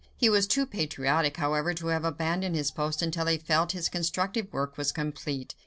He was too patriotic, however, to have abandoned his post until he felt that his constructive work was complete.